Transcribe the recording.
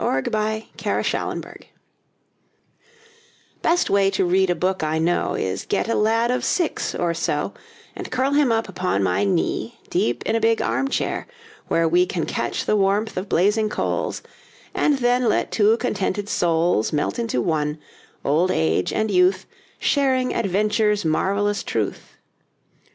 Best Way to Read a Book Best way to read a book I know Is get a lad of six or so, And curl him up upon my knee Deep in a big arm chair, where we Can catch the warmth of blazing coals, And then let two contented souls Melt into one, old age and youth, Sharing adventure's marvelous truth.